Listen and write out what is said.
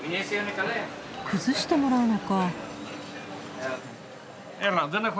くずしてもらうのか。